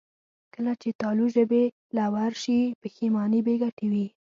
کله چې تالو ژبې له ورشي، پښېماني بېګټې وي.